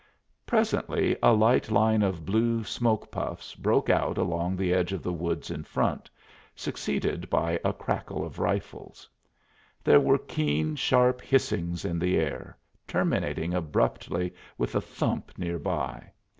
Presently a light line of blue smoke puffs broke out along the edge of the wood in front, succeeded by a crackle of rifles. There were keen, sharp hissings in the air, terminating abruptly with a thump near by.